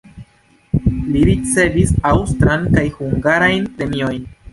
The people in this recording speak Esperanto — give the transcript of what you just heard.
Li ricevis aŭstran kaj hungarajn premiojn.